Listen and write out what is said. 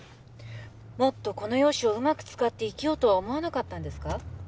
もっとこの容姿をうまく使って生きようとは思わなかったんですか？